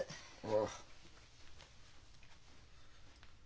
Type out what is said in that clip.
ああ。